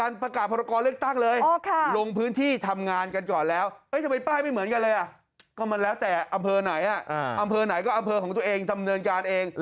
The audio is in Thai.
นึกว่าช่วงหาเสียงเลือกตั้ง